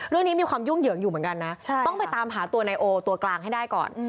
มีความยุ่งเหยิงอยู่เหมือนกันนะต้องไปตามหาตัวนายโอตัวกลางให้ได้ก่อน